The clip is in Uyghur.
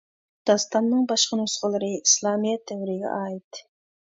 داستاننىڭ باشقا نۇسخىلىرى ئىسلامىيەت دەۋرىگە ئائىت.